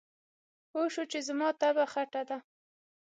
پوی شو چې زما طبعه خټه ده.